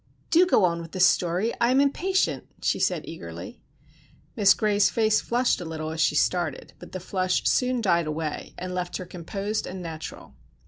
"Do go on with the story, I am impatient," she said eagerly. Miss Gray's face flushed a little as she started, but the flush soon died away and left her composed and natural.